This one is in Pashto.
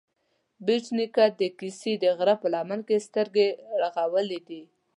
بېټ نيکه د کسې د غره په لمن کې سترګې غړولې دي